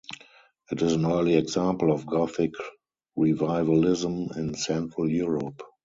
It is an early example of Gothic Revivalism in Central Europe.